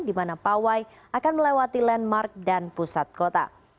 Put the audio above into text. di mana pawai akan melewati landmark dan pusat kota